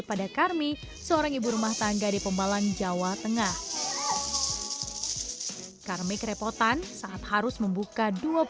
pada karmi seorang ibu rumah tangga di pembalang jawa tengah karmi kerepotan saat harus membuka